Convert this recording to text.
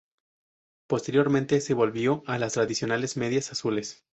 Posteriormente se volvió a las tradicionales medias azules.